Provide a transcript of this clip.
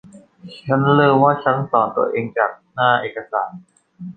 ฉันลืมว่าฉันสอนตัวเองจากหน้าเอกสาร